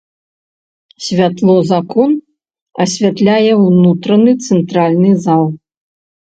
Святло з акон асвятляе ўнутраны цэнтральны зал.